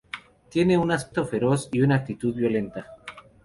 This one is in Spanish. Tiene un aspecto feroz y una actitud violenta.